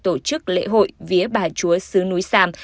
tổ chức lễ hội vía bà chúa sứ núi sam